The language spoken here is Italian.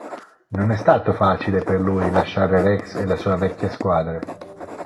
Non è stato facile per lui lasciare Rex e la sua vecchia squadra.